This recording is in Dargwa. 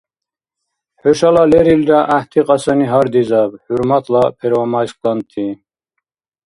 ХӀушала лерилра гӀяхӀти кьасани гьардизаб, хӀурматла первомайскланти!